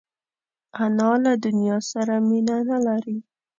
انا له دنیا سره مینه نه لري